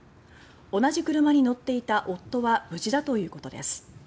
同じ車に乗っていた夫は無事だということです。